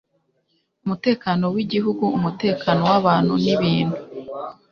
umutekano w igihugu umutekano w abantu n ibintu